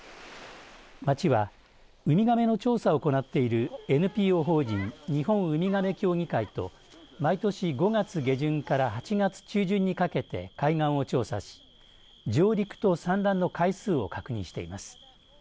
町はウミガメの調査を行っているＮＰＯ法人日本ウミガメ協議会と毎年５月下旬から８月中旬にかけて海岸を調査し上陸と産卵の回数を確認しています。